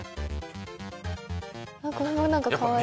これもなんかかわいい。